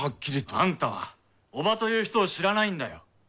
アンタは伯母という人を知らないんだよ。